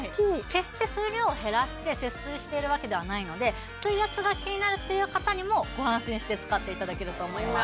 決して水量を減らして節水しているわけではないので水圧が気になるっていう方にもご安心して使って頂けると思います。